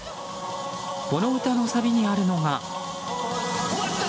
この歌のサビにあるのが。